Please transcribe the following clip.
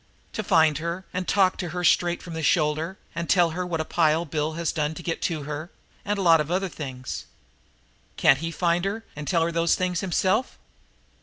"To find her and talk to her straight from the shoulder and tell her what a pile Bill has done to get to her and a lot of other things." "Can't he find her and tell her those things for himself?"